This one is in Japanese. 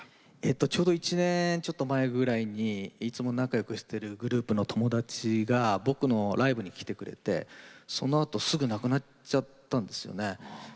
ちょうど１年くらい前にいつも仲よくしているグループの友達が僕のライブに来てくれて、そのあとすぐ亡くなっちゃったんですよね。